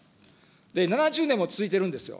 で、７０年も続いているんですよ。